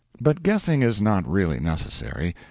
But guessing is not really necessary.